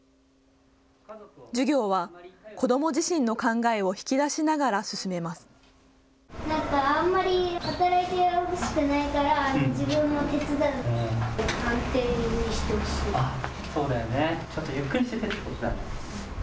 授業は子ども自身の考えを引き出しながら進めます。